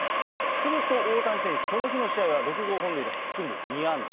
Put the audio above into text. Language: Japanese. すると大谷選手、その日の試合は６号本塁打含む２安打。